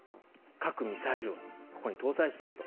核ミサイルをここに搭載していると。